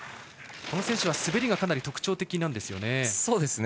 この選手は滑りがかなり特徴的。